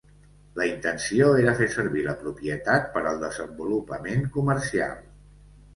La intenció era fer servir la propietat per al desenvolupament comercial.